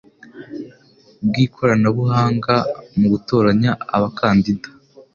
bw ikoranabuhanga mu gutoranya abakandida